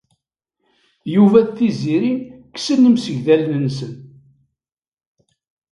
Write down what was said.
Yuba d Tiziri kksen imsegdalen-nsen.